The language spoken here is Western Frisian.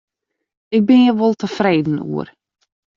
Ik bin hjir wol tefreden oer.